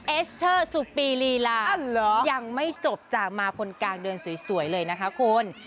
เอสเตอร์สุปีลีลายังไม่จบจากมาคนกลางเดินสวยเลยนะคะคุณ